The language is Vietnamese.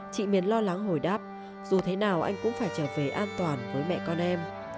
chị miệt lo lắng hồi đáp dù thế nào anh cũng phải trở về an toàn với mẹ con em